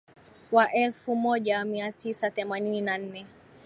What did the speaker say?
Wa elfu moja mia tisa themanini na nne